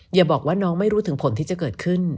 อย่าบอกว่าน้องไม่รู้ถึงผลที่จะเกิดขึ้น